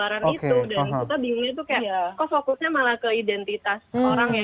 dan kita bingung itu kayak kok fokusnya malah ke identitas orang ya